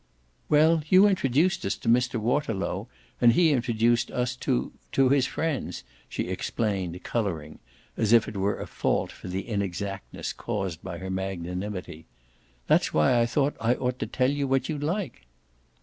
"Well, you introduced us to Mr. Waterlow and he introduced us to to his friends," she explained, colouring, as if it were a fault for the inexactness caused by her magnanimity. "That's why I thought I ought to tell you what you'd like."